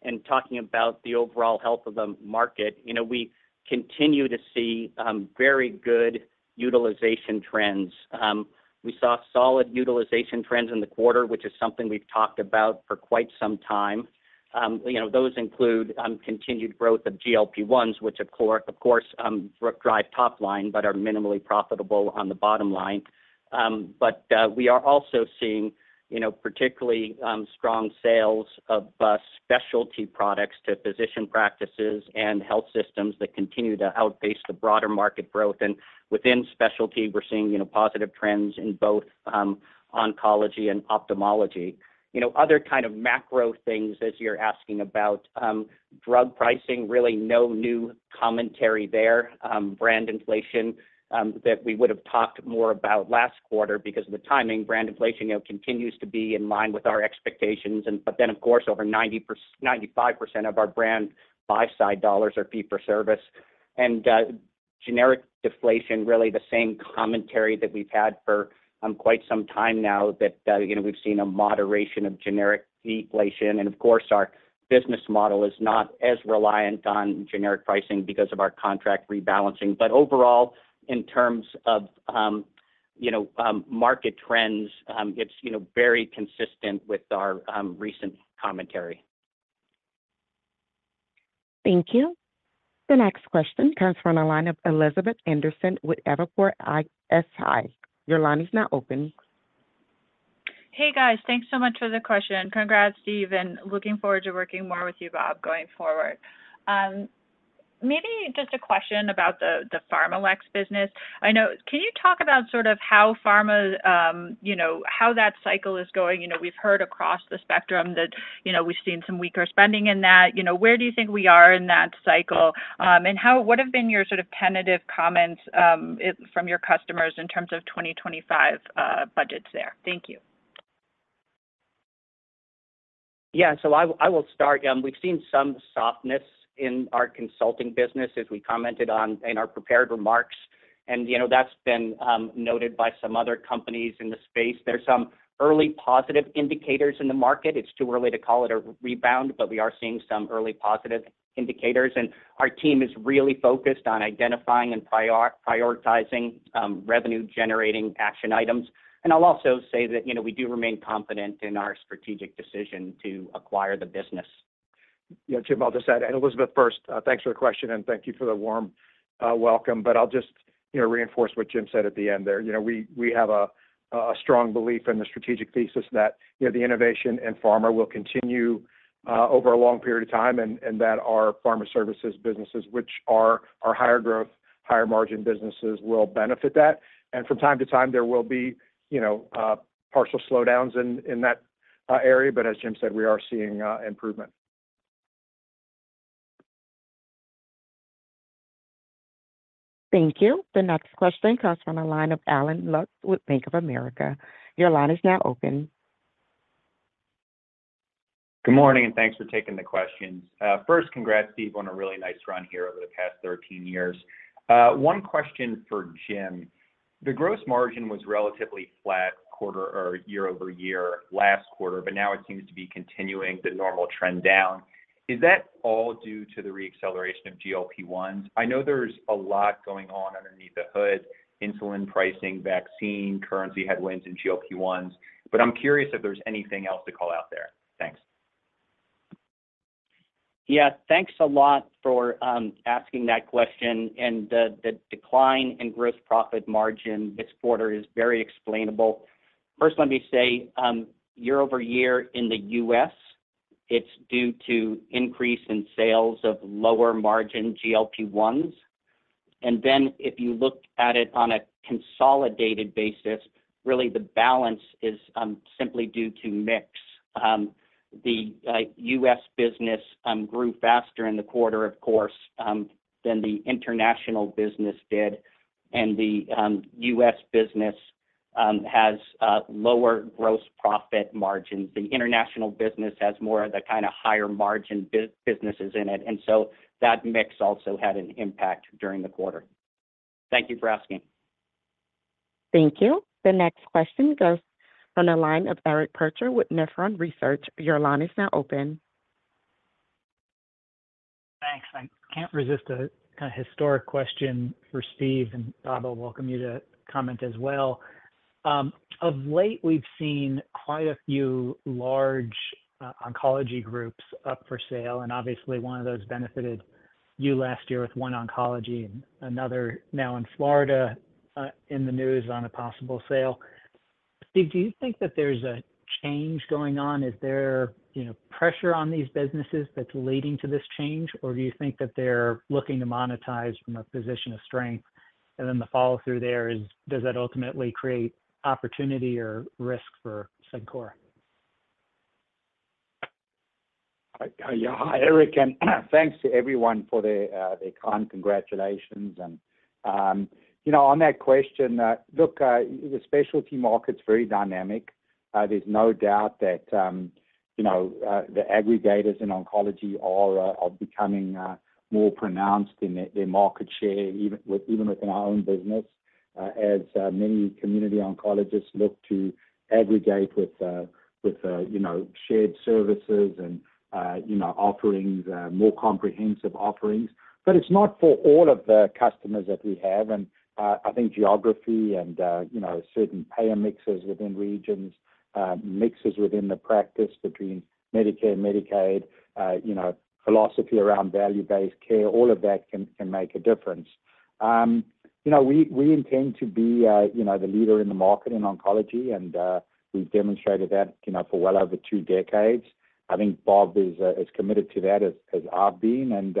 [SPEAKER 5] in talking about the overall health of the market. You know, we continue to see very good utilization trends. We saw solid utilization trends in the quarter, which is something we've talked about for quite some time. You know, those include continued growth of GLP-1s, which of course drive top line, but are minimally profitable on the bottom line. But we are also seeing, you know, particularly strong sales of specialty products to physician practices and health systems that continue to outpace the broader market growth. And within specialty, we're seeing, you know, positive trends in both oncology and ophthalmology. You know, other kind of macro things as you're asking about drug pricing, really no new commentary there. Brand inflation, that we would have talked more about last quarter because of the timing. Brand inflation, you know, continues to be in line with our expectations but then, of course, over 95% of our brand buy-side dollars are fee-for-service. And, generic deflation, really the same commentary that we've had for, quite some time now, that, you know, we've seen a moderation of generic deflation. And of course, our business model is not as reliant on generic pricing because of our contract rebalancing. But overall, in terms of, you know, market trends, it's, you know, very consistent with our, recent commentary.
[SPEAKER 1] Thank you. The next question comes from the line of Elizabeth Anderson with Evercore ISI. Your line is now open.
[SPEAKER 8] Hey, guys. Thanks so much for the question, and congrats, Steve, and looking forward to working more with you, Bob, going forward. Maybe just a question about the, the PharmaLex business. I know— Can you talk about sort of how pharma, you know, how that cycle is going? You know, we've heard across the spectrum that, you know, we've seen some weaker spending in that. You know, where do you think we are in that cycle? And how— what have been your sort of tentative comments, it, from your customers in terms of 2025 budgets there? Thank you.
[SPEAKER 5] Yeah, so I will start. We've seen some softness in our consulting business, as we commented on in our prepared remarks. And, you know, that's been noted by some other companies in the space. There's some early positive indicators in the market. It's too early to call it a rebound, but we are seeing some early positive indicators, and our team is really focused on identifying and prioritizing revenue-generating action items. And I'll also say that, you know, we do remain confident in our strategic decision to acquire the business.
[SPEAKER 4] Yeah, Jim, I'll just add. And Elizabeth, first, thanks for the question, and thank you for the warm welcome. But I'll just, you know, reinforce what Jim said at the end there. You know, we have a strong belief in the strategic thesis that, you know, the innovation in pharma will continue over a long period of time, and that our pharma services businesses, which are our higher growth, higher margin businesses, will benefit that. And from time to time, there will be, you know, partial slowdowns in that area, but as Jim said, we are seeing improvement.
[SPEAKER 1] Thank you. The next question comes from the line of Allen Lutz with Bank of America. Your line is now open.
[SPEAKER 9] Good morning, and thanks for taking the questions. First, congrats, Steve, on a really nice run here over the past 13 years. One question for Jim. The gross margin was relatively flat quarter or year-over-year, last quarter, but now it seems to be continuing the normal trend down. Is that all due to the re-acceleration of GLP-1s? I know there's a lot going on underneath the hood, insulin pricing, vaccine, currency headwinds, and GLP-1s, but I'm curious if there's anything else to call out there. Thanks.
[SPEAKER 5] Yeah, thanks a lot for asking that question, and the decline in gross profit margin this quarter is very explainable. First, let me say, year-over-year in the U.S., it's due to increase in sales of lower margin GLP-1s. And then, if you look at it on a consolidated basis, really the balance is simply due to mix. The U.S. business grew faster in the quarter, of course, than the international business did, and the U.S. business has lower gross profit margins. The international business has more of the kind of higher margin businesses in it, and so that mix also had an impact during the quarter. Thank you for asking.
[SPEAKER 1] Thank you. The next question goes from the line of Eric Percher with Nephron Research. Your line is now open.
[SPEAKER 10] Thanks. I can't resist a kind of historic question for Steve, and Bob, I'll welcome you to comment as well. Of late, we've seen quite a few large, oncology groups up for sale, and obviously one of those benefited you last year with OneOncology and another now in Florida, in the news on a possible sale. Steve, do you think that there's a change going on? Is there, you know, pressure on these businesses that's leading to this change, or do you think that they're looking to monetize from a position of strength? And then the follow-through there is, does that ultimately create opportunity or risk for Cencora?
[SPEAKER 3] Yeah. Hi, Eric, and thanks to everyone for their kind congratulations. You know, on that question, look, the specialty market's very dynamic. There's no doubt that, you know, the aggregators in oncology are becoming more pronounced in their market share, even within our own business, as many community oncologists look to aggregate with, you know, shared services and, you know, offerings, more comprehensive offerings. But it's not for all of the customers that we have, and I think geography and, you know, certain payer mixes within regions, mixes within the practice between Medicare and Medicaid, you know, philosophy around value-based care, all of that can make a difference. You know, we intend to be, you know, the leader in the market in oncology, and we've demonstrated that, you know, for well over two decades. I think Bob is committed to that as I've been, and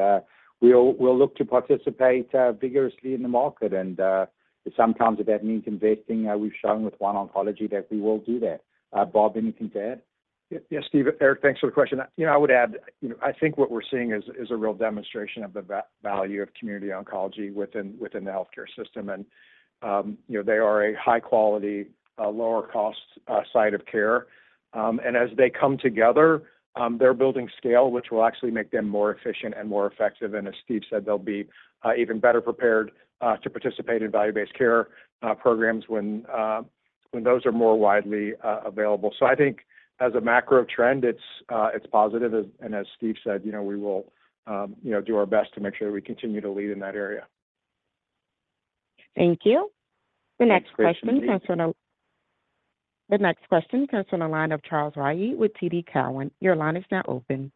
[SPEAKER 3] we'll look to participate vigorously in the market. And sometimes if that means investing, we've shown with OneOncology that we will do that. Bob, anything to add?
[SPEAKER 4] Yes, Steve. Eric, thanks for the question. You know, I would add, you know, I think what we're seeing is a real demonstration of the value of community oncology within the healthcare system. And you know, they are a high quality, lower cost, site of care. And as they come together, they're building scale, which will actually make them more efficient and more effective. And as Steve said, they'll be even better prepared to participate in value-based care programs when those are more widely available. So I think as a macro trend, it's positive. And as Steve said, you know, we will, you know, do our best to make sure that we continue to lead in that area.
[SPEAKER 1] Thank you. The next question comes from the line of Charles Rhyee with TD Cowen. Your line is now open.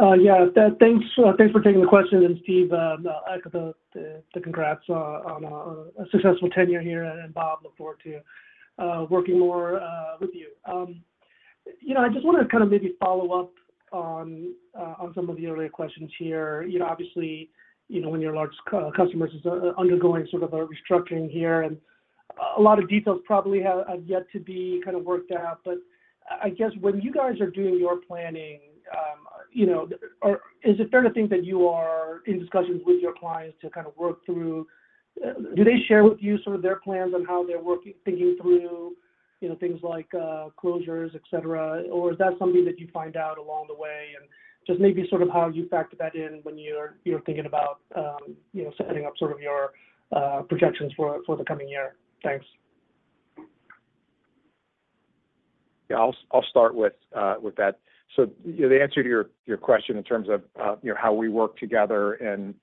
[SPEAKER 11] Yeah, thanks, thanks for taking the question, and Steve, the congrats on a successful tenure here, and, Bob, look forward to working more with you. You know, I just wanted to kind of maybe follow up on some of the earlier questions here. You know, obviously, you know, when your largest customer is undergoing sort of a restructuring here, and a lot of details probably have yet to be kind of worked out. But I guess when you guys are doing your planning, you know, or is it fair to think that you are in discussions with your clients to kind of work through... Do they share with you some of their plans on how they're working, thinking through, you know, things like closures, et cetera? Or is that something that you find out along the way? And just maybe sort of how you factor that in when you're thinking about, you know, setting up sort of your projections for the coming year. Thanks.
[SPEAKER 4] Yeah, I'll, I'll start with that. So, you know, the answer to your, your question in terms of, you know, how we work together and,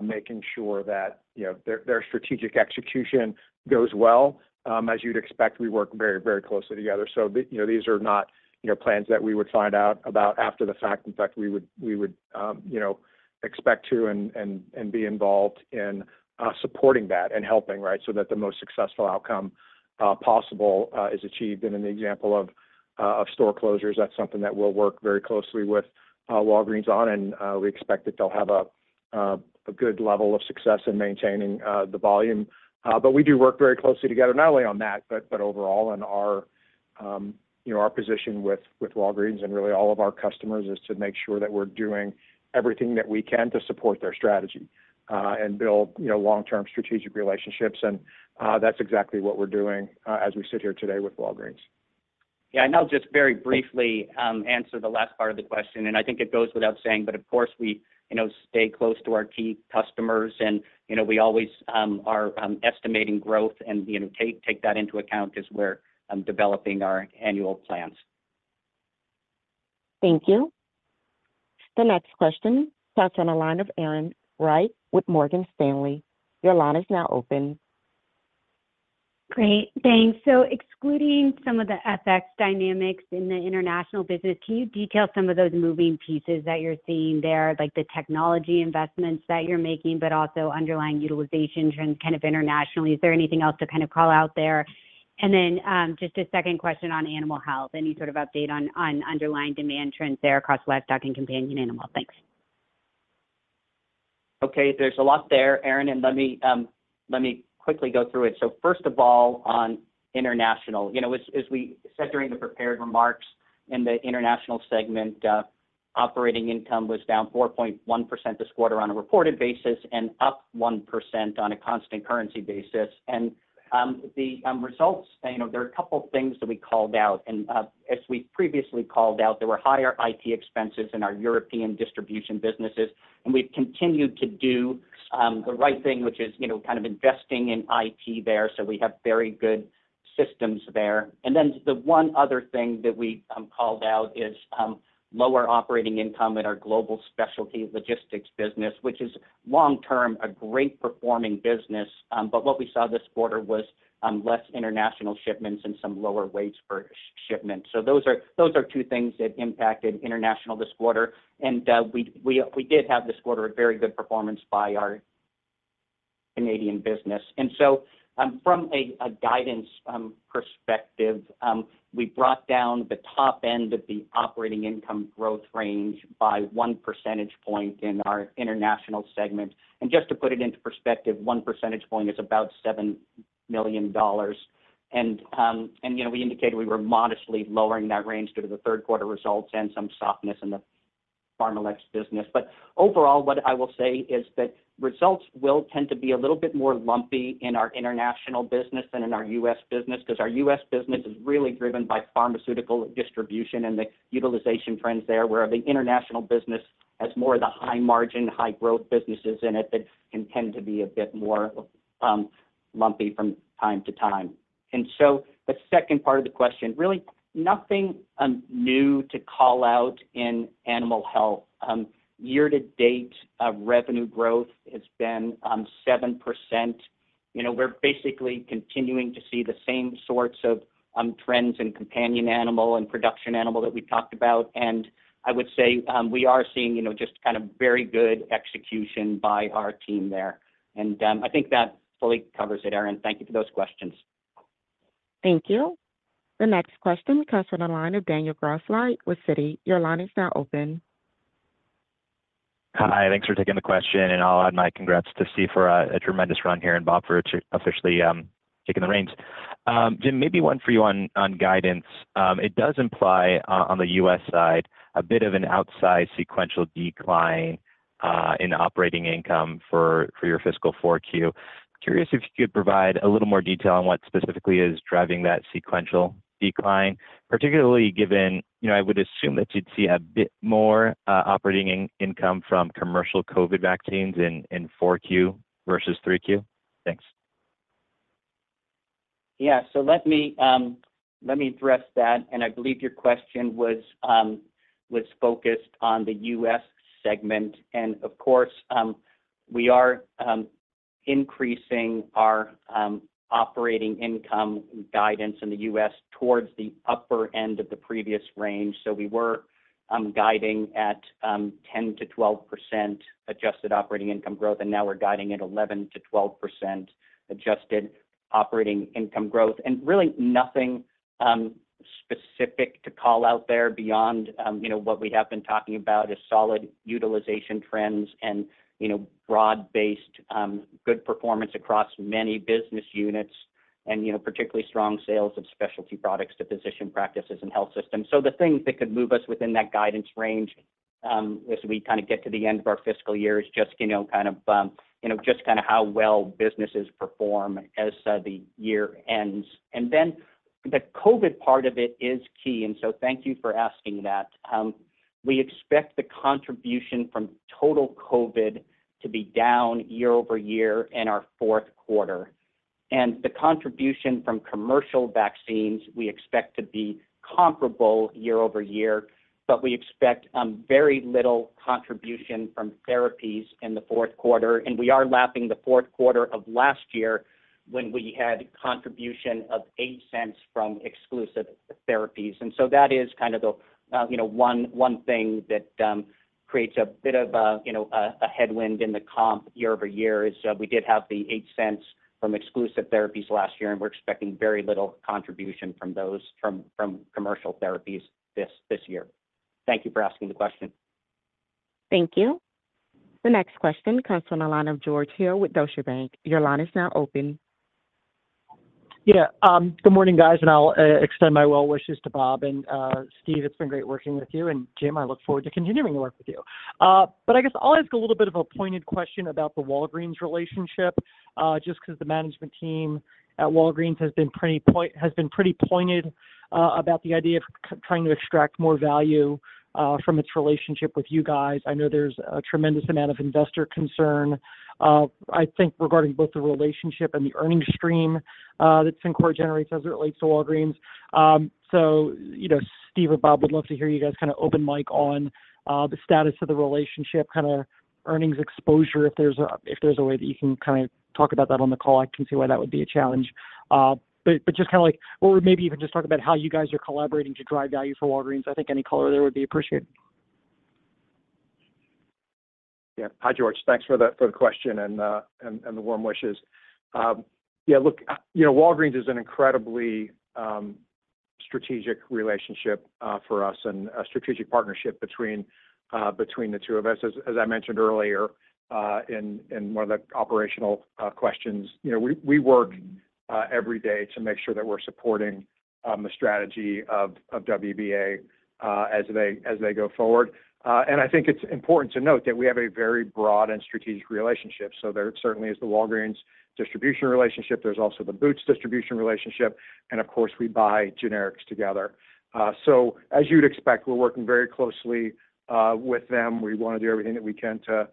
[SPEAKER 4] making sure that, you know, their, their strategic execution goes well. As you'd expect, we work very, very closely together. So, you know, these are not, you know, plans that we would find out about after the fact. In fact, we would, we would, you know, expect to and, and, and be involved in, supporting that and helping, right? So that the most successful outcome, possible, is achieved. And in the example of, of store closures, that's something that we'll work very closely with, Walgreens on, and, we expect that they'll have a, a good level of success in maintaining, the volume. But we do work very closely together, not only on that, but overall in our, you know, our position with Walgreens and really all of our customers, is to make sure that we're doing everything that we can to support their strategy, and build, you know, long-term strategic relationships. That's exactly what we're doing, as we sit here today with Walgreens.
[SPEAKER 5] Yeah, and I'll just very briefly answer the last part of the question, and I think it goes without saying, but of course, we, you know, stay close to our key customers and, you know, we always are estimating growth and, you know, take that into account as we're developing our annual plans.
[SPEAKER 1] Thank you. The next question comes on the line of Erin Wright with Morgan Stanley. Your line is now open.
[SPEAKER 12] Great. Thanks. So excluding some of the FX dynamics in the international business, can you detail some of those moving pieces that you're seeing there, like the technology investments that you're making, but also underlying utilization trends kind of internationally? Is there anything else to kind of call out there? And then, just a second question on animal health. Any sort of update on, on underlying demand trends there across livestock and companion animal? Thanks.
[SPEAKER 5] Okay, there's a lot there, Erin, and let me quickly go through it. So first of all, on international, you know, as we said during the prepared remarks, in the international segment, operating income was down 4.1% this quarter on a reported basis and up 1% on a constant currency basis. And the results, you know, there are a couple things that we called out. And as we previously called out, there were higher IT expenses in our European distribution businesses, and we've continued to do the right thing, which is, you know, kind of investing in IT there, so we have very good systems there. And then the one other thing that we called out is lower operating income in our global specialty logistics business, which is long-term, a great performing business. But what we saw this quarter was less international shipments and some lower rates for shipments. So those are, those are two things that impacted international this quarter. And we did have this quarter a very good performance by our Canadian business. And so from a guidance perspective, we brought down the top end of the operating income growth range by one percentage point in our international segment. And just to put it into perspective, one percentage point is about $7 million. And you know, we indicated we were modestly lowering that range due to the third quarter results and some softness in the PharmaLex business. But overall, what I will say is that results will tend to be a little bit more lumpy in our international business than in our U.S. business, because our U.S. business is really driven by pharmaceutical distribution and the utilization trends there, where the international business has more of the high margin, high growth businesses in it, that can tend to be a bit more lumpy from time to time. And so the second part of the question, really nothing new to call out in animal health. Year to date, revenue growth has been 7%. You know, we're basically continuing to see the same sorts of trends in companion animal and production animal that we talked about. And I would say we are seeing, you know, just kind of very good execution by our team there. I think that fully covers it, Erin. Thank you for those questions.
[SPEAKER 1] Thank you. The next question comes from the line of Daniel Grosslight with Citi. Your line is now open.
[SPEAKER 13] Hi, thanks for taking the question, and I'll add my congrats to Steve for a tremendous run here, and Bob, for officially taking the reins. Jim, maybe one for you on guidance. It does imply on the U.S. side a bit of an outsized sequential decline in operating income for your fiscal four Q. Curious if you could provide a little more detail on what specifically is driving that sequential decline, particularly given, you know, I would assume that you'd see a bit more operating income from commercial COVID vaccines in four Q versus three Q. Thanks.
[SPEAKER 5] Yeah, so let me address that. And I believe your question was focused on the US segment. And of course, we are increasing our operating income guidance in the U.S. towards the upper end of the previous range. So we were guiding at 10%-12% adjusted operating income growth, and now we're guiding at 11%-12% adjusted operating income growth. And really nothing specific to call out there beyond you know what we have been talking about, is solid utilization trends and you know broad-based good performance across many business units and you know particularly strong sales of specialty products to physician practices and health systems. So the things that could move us within that guidance range, as we kind of get to the end of our fiscal year, is just, you know, kind of, you know, just kind of how well businesses perform as, the year ends. And then the COVID part of it is key, and so thank you for asking that. We expect the contribution from total COVID to be down year-over-year in our fourth quarter. And the contribution from commercial vaccines, we expect to be comparable year-over-year, but we expect, very little contribution from therapies in the fourth quarter. And we are lapping the fourth quarter of last year when we had contribution of $0.08 from exclusive therapies. So that is kind of the, you know, one thing that creates a bit of a, you know, a headwind in the comp year-over-year, is we did have the $0.08 from exclusive therapies last year, and we're expecting very little contribution from those commercial therapies this year. Thank you for asking the question.
[SPEAKER 1] Thank you. The next question comes from the line of George Hill with Deutsche Bank. Your line is now open.
[SPEAKER 14] Yeah, good morning, guys, and I'll extend my well wishes to Bob. And, Steve, it's been great working with you, and Jim, I look forward to continuing to work with you. But I guess I'll ask a little bit of a pointed question about the Walgreens relationship, just because the management team at Walgreens has been pretty pointed about the idea of trying to extract more value from its relationship with you guys. I know there's a tremendous amount of investor concern, I think, regarding both the relationship and the earnings stream that Cencora generates as it relates to Walgreens. So, you know, Steve or Bob, would love to hear you guys kind of open mic on the status of the relationship, kind of earnings exposure, if there's a way that you can kind of talk about that on the call. I can see why that would be a challenge. But just kind of like or maybe even just talk about how you guys are collaborating to drive value for Walgreens. I think any color there would be appreciated.
[SPEAKER 4] Yeah. Hi, George. Thanks for the, for the question and, and the warm wishes. Yeah, look, you know, Walgreens is an incredibly, strategic relationship, for us and a strategic partnership between, between the two of us. As, as I mentioned earlier, in, in one of the operational, questions, you know, we, we work, every day to make sure that we're supporting, the strategy of, of WBA, as they, as they go forward. And I think it's important to note that we have a very broad and strategic relationship. So there certainly is the Walgreens distribution relationship. There's also the Boots distribution relationship, and of course, we buy generics together. So as you'd expect, we're working very closely, with them. We want to do everything that we can to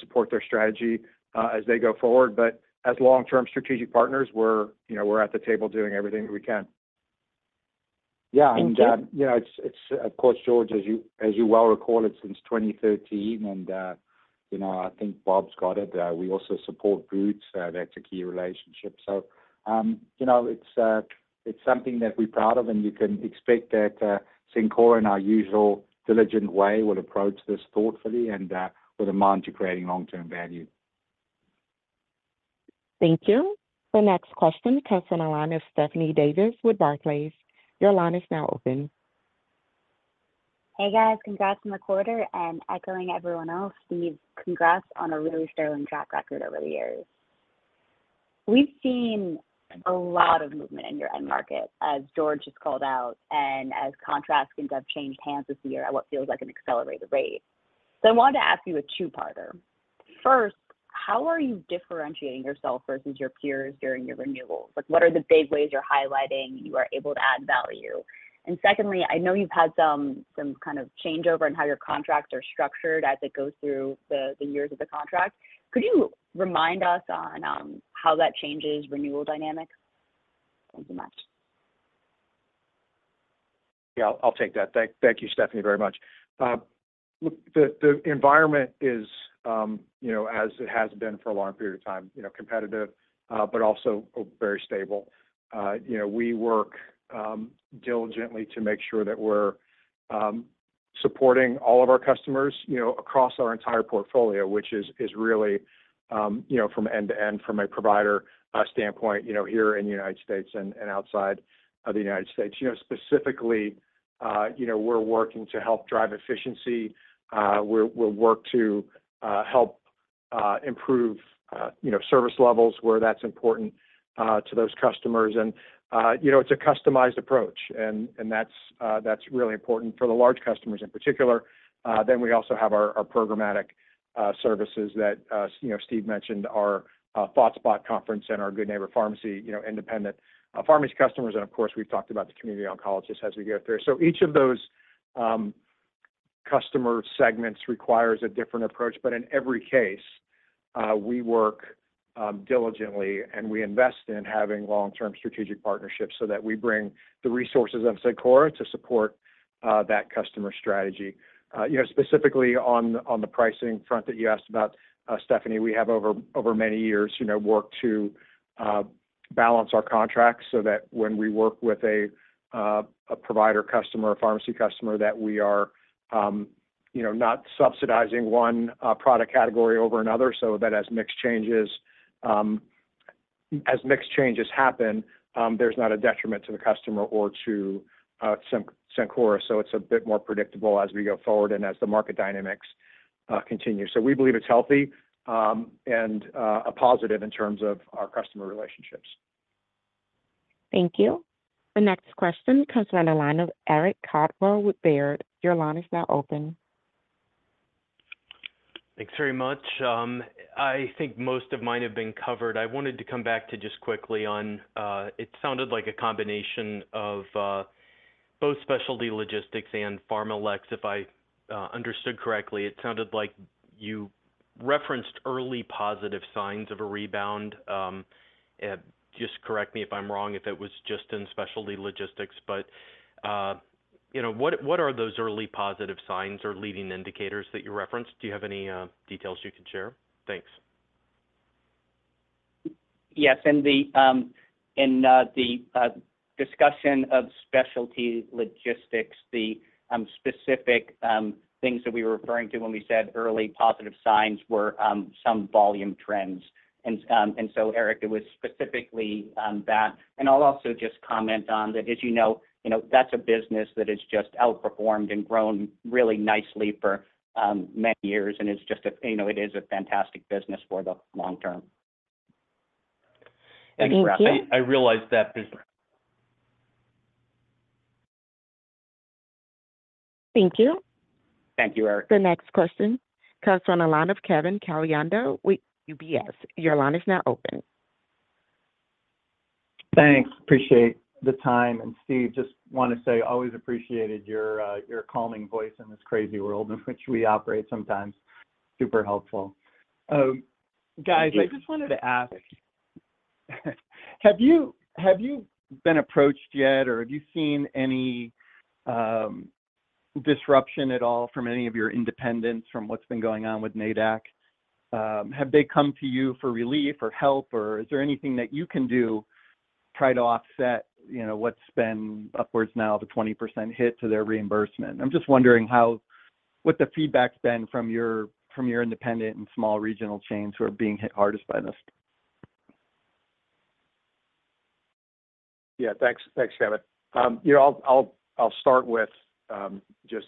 [SPEAKER 4] support their strategy, as they go forward. But as long-term strategic partners, we're, you know, we're at the table doing everything that we can.
[SPEAKER 14] Thank you.
[SPEAKER 5] Yeah, and, you know, it's of course, George, as you well recall, it since 2013, and, you know, I think Bob's got it. We also support Boots. That's a key relationship. So, you know, it's something that we're proud of, and you can expect that, Cencora, in our usual diligent way, will approach this thoughtfully and, with a mind to creating long-term value.
[SPEAKER 1] Thank you. The next question comes from the line of Stephanie Davis with Barclays. Your line is now open.
[SPEAKER 15] Hey, guys, congrats on the quarter, and echoing everyone else, Steve, congrats on a really sterling track record over the years. We've seen a lot of movement in your end market, as George just called out, and as contracts have changed hands this year at what feels like an accelerated rate. So I wanted to ask you a two-parter. First, how are you differentiating yourself versus your peers during your renewals? Like, what are the big ways you're highlighting you are able to add value? And secondly, I know you've had some, some kind of changeover in how your contracts are structured as it goes through the, the years of the contract. Could you remind us on, how that changes renewal dynamics? Thank you much.
[SPEAKER 4] Yeah, I'll take that. Thank you, Stephanie, very much. Look, the environment is, you know, as it has been for a long period of time, you know, competitive, but also very stable. You know, we work diligently to make sure that we're supporting all of our customers, you know, across our entire portfolio, which is really, you know, from end to end, from a provider standpoint, you know, here in the United States and outside of the United States. You know, specifically, you know, we're working to help drive efficiency. We'll work to help improve, you know, service levels where that's important to those customers. And, you know, it's a customized approach, and that's really important for the large customers in particular. Then we also have our, our programmatic services that, you know, Steve mentioned, our ThoughtSpot conference and our Good Neighbor Pharmacy, you know, independent pharmacy customers, and of course, we've talked about the community oncologists as we go through. So each of those customer segments requires a different approach. But in every case, we work diligently, and we invest in having long-term strategic partnerships so that we bring the resources of Cencora to support that customer strategy. You know, specifically on, on the pricing front that you asked about, Stephanie, we have over, over many years, you know, worked to balance our contracts so that when we work with a, a provider customer or pharmacy customer, that we are, you know, not subsidizing one product category over another. So that as mix changes, as mix changes happen, there's not a detriment to the customer or to Cencora. So it's a bit more predictable as we go forward and as the market dynamics continue. So we believe it's healthy, and a positive in terms of our customer relationships.
[SPEAKER 1] Thank you. The next question comes on the line of Eric Coldwell with Baird. Your line is now open.
[SPEAKER 16] Thanks very much. I think most of mine have been covered. I wanted to come back to just quickly on, it sounded like a combination of both specialty logistics and PharmaLex, if I understood correctly. It sounded like you referenced early positive signs of a rebound. Just correct me if I'm wrong, if it was just in specialty logistics, but you know, what, what are those early positive signs or leading indicators that you referenced? Do you have any details you could share? Thanks.
[SPEAKER 5] Yes, in the discussion of specialty logistics, the specific things that we were referring to when we said early positive signs were some volume trends. And so, Eric, it was specifically that. And I'll also just comment on that as you know, you know, that's a business that has just outperformed and grown really nicely for many years, and it's just a, you know, it is a fantastic business for the long term.
[SPEAKER 16] And, Brad, I realize that-
[SPEAKER 1] Thank you.
[SPEAKER 5] Thank you, Eric.
[SPEAKER 1] The next question comes from the line of Kevin Caliendo with UBS. Your line is now open.
[SPEAKER 17] Thanks. Appreciate the time. And Steve, just wanna say, always appreciated your, your calming voice in this crazy world in which we operate sometimes. Super helpful. Guys, I just wanted to ask, have you, have you been approached yet, or have you seen any, disruption at all from any of your independents from what's been going on with NADAC? Have they come to you for relief or help, or is there anything that you can do try to offset, you know, what's been upwards now of a 20% hit to their reimbursement? I'm just wondering how what the feedback's been from your, from your independent and small regional chains who are being hit hardest by this.
[SPEAKER 4] Yeah. Thanks. Thanks, Kevin. You know, I'll start with just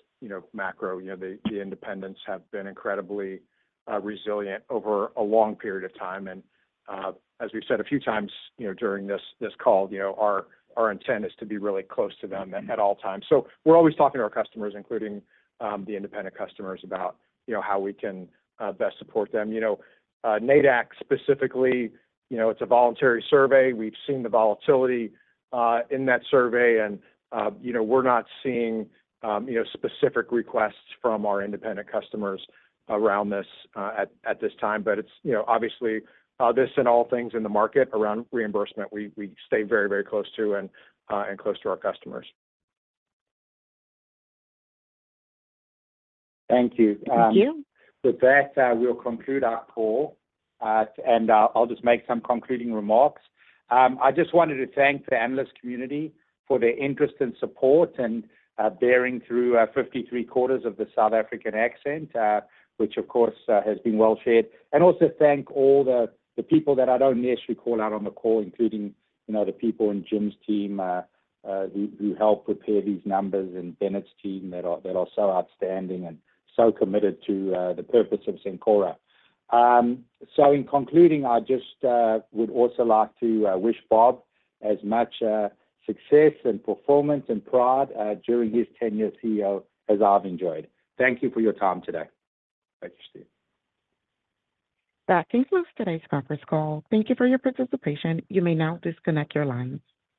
[SPEAKER 4] macro. You know, the independents have been incredibly resilient over a long period of time, and as we've said a few times, you know, during this call, you know, our intent is to be really close to them at all times. So we're always talking to our customers, including the independent customers, about you know, how we can best support them. You know, NADAC specifically, you know, it's a voluntary survey. We've seen the volatility in that survey, and you know, we're not seeing specific requests from our independent customers around this at this time. But it's, you know, obviously, this and all things in the market around reimbursement, we, we stay very, very close to and, and close to our customers.
[SPEAKER 17] Thank you.
[SPEAKER 1] Thank you.
[SPEAKER 3] With that, we'll conclude our call, and I'll just make some concluding remarks. I just wanted to thank the analyst community for their interest and support and bearing through 53 quarters of the South African accent, which of course has been well-shared. And also thank all the people that I don't necessarily call out on the call, including, you know, the people in Jim's team, who helped prepare these numbers, and Bennett's team, that are so outstanding and so committed to the purpose of Cencora. So in concluding, I just would also like to wish Bob as much success and performance and pride during his tenure as CEO as I've enjoyed. Thank you for your time today.
[SPEAKER 4] Thanks, Steve.
[SPEAKER 1] That concludes today's conference call. Thank you for your participation. You may now disconnect your lines.